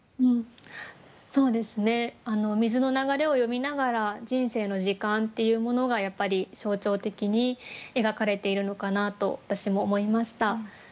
そうですね水の流れを詠みながら人生の時間っていうものがやっぱり象徴的に描かれているのかなと私も思いました。